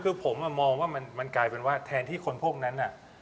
คือผมมองว่ามันกลายเป็นว่าแทนที่คนพวกนั้น